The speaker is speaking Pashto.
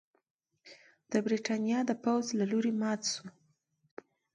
د برېټانیا د پوځ له لوري مات شو.